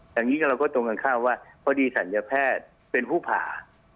อย่างนี้เราก็ตรงกันข้ามว่าพอดีศัลยแพทย์เป็นผู้ผ่า